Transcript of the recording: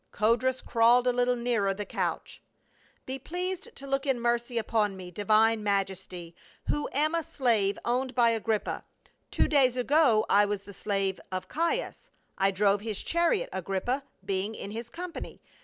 Codrus crawled a little nearer the couch. " Be* pleased to look in mercy upon me, divine majesty, who am a slave o\\^ncd by Agrippa ; two days ago I was the slave of Caius. I drove his chariot, Agrippa being in his company.